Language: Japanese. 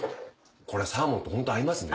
これサーモンとホント合いますね。